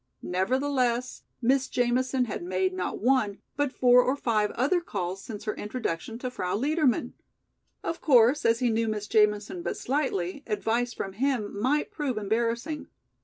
Nevertheless, Miss Jamison had made not one, but four or five other calls since her introduction to Frau Liedermann. Of course, as he knew Miss Jamison but slightly, advice from him might prove embarrassing.